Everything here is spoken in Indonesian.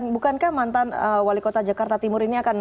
bukankah mantan wali kota jakarta timur ini akan